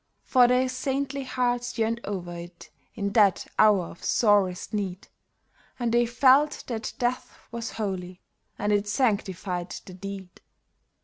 For their saintly hearts yearned o'er it in that hour of sorest need, And they felt that Death was holy and it sanctified the deed.